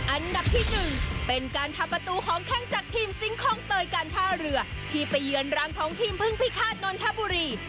อันดับที่๑เป็นการทำประตูหอมแข้งจากทีมซิงคองเตยการท่าเรือที่ไปเยือนรังของทีมพึ่งพิฆาตนนทบุรี